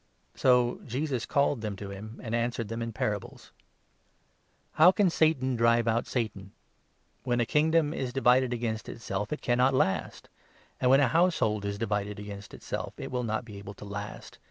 So Jesus called them to him, and answered them in parables : 23 "How can Satan drive out Satan? When a kingdom is 24 divided against itself, it cannot last ; and when a household is 25 divided against itself, it will not be able to last.